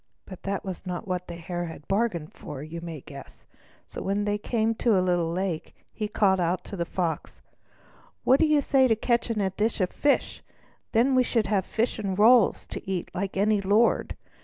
But that was not what the Hare had bargained for, you may guess. So when they came to a little lake, he called out to the Fox: "What do you say to catching a dish of fish? Then we should have fish and rolls to eat like any lord.